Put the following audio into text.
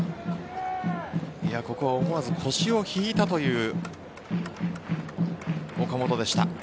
ここは思わず腰を引いたという岡本でした。